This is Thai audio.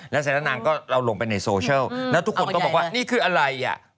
แล้วเสร็จแล้วนางก็เราลงไปในโซเชียลแล้วทุกคนก็บอกว่านี่คืออะไรอ่ะ